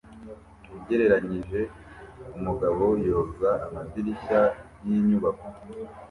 Ugereranyije umugabo yoza amadirishya yinyubako